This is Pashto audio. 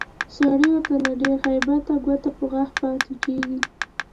سړی ورته له ډېره هیبته ګوته په غاښ پاتې کېږي